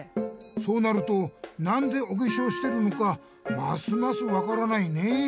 そうなるとなんでおけしょうしてるのかますますわからないねえ。